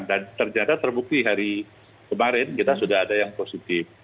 dan ternyata terbukti hari kemarin kita sudah ada yang positif